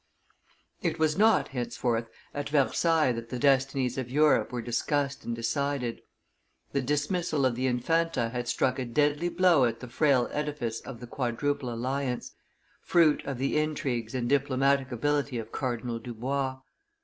It was not, henceforth, at Versailles that the destinies of Europe were discussed and decided. The dismissal of the Infanta had struck a deadly blow at the frail edifice of the quadruple alliance, fruit of the intrigues and diplomatic ability of Cardinal Dubois.